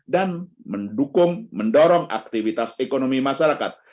dan mendukung mendorong aktivitas ekonomi masyarakat